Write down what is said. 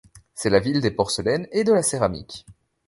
C'est la ville des porcelaines et de la céramique.